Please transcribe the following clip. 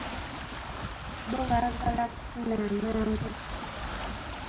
Bo baagala kufuna amangu!